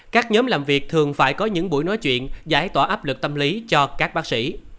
các nhóm làm việc thường phải có những buổi nói chuyện giải tỏa áp lực tâm lý cho các bác sĩ